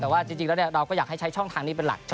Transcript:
แต่ว่าจริงแล้วเราก็อยากให้ใช้ช่องทางนี้เป็นหลัก